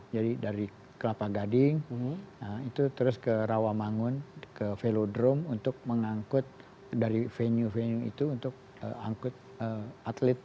jadi dari kelapa gading itu terus ke rawamangun ke velodrome untuk mengangkut dari venue venue itu untuk angkut atlet